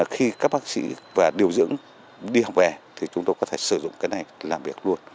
khi các bác sĩ và điều dưỡng đi học về thì chúng tôi có thể sử dụng cái này làm việc luôn